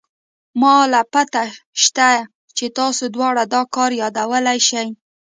ما له پته شتې چې تاسې دواړه دا کار يادولې شې.